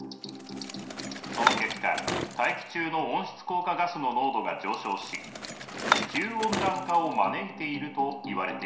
その結果大気中の温室効果ガスの濃度が上昇し地球温暖化を招いているといわれています。